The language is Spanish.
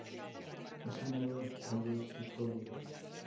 Es un árbol caducifolio.